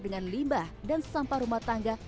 dengan limbah dan sampah rumah tangga